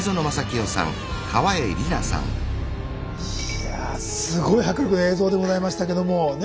いやぁすごい迫力の映像でございましたけどもね。